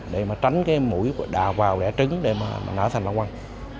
để tránh mũi đào vào rẽ trứng để nở thành lang quang